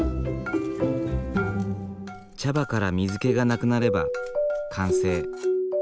茶葉から水けがなくなれば完成。